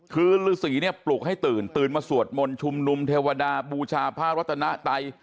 คือฤษีเนี่ยปลุกให้ตื่นตื่นมาสวดมนต์ชุมนุมเทวดาบูชาพระรัตนไต